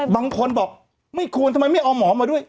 บางคนบอกไม่ควรทำไมไม่เอาหมอมาด้วย